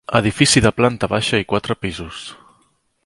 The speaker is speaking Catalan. Edifici de planta baixa i quatre pisos.